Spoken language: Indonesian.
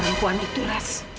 perempuan itu ras